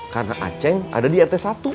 karena aceng ada di rt satu